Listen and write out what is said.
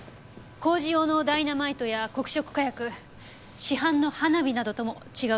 工事用のダイナマイトや黒色火薬市販の花火などとも違う組成でした。